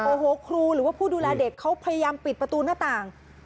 โอ้โหครูหรือว่าผู้ดูแลเด็กเขาพยายามปิดประตูหน้าต่าง